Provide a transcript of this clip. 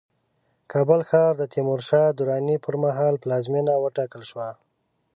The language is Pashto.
کابل ښار د تیمورشاه دراني پرمهال پلازمينه وټاکل شوه